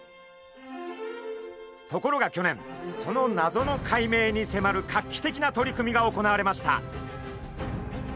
ところが去年その謎の解明にせまる画期的な取り組みが行われました。